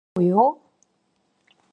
뭐라고요?